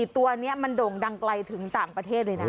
ตัวนี้มันโด่งดังไกลถึงต่างประเทศเลยนะ